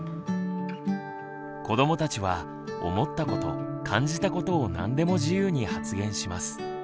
子どもたちは思ったこと感じたことを何でも自由に発言します。